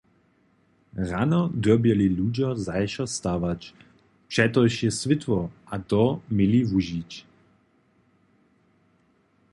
Rano dyrbjeli ludźo zašo stawać, přetož je swětło, a to měli wužić.